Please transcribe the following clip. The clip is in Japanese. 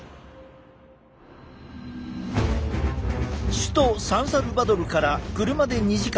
首都サンサルバドルから車で２時間。